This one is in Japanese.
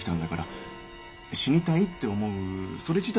死にたいって思うそれ自体